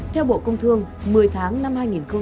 theo bộ công thương một mươi tháng năm hai nghìn hai mươi ba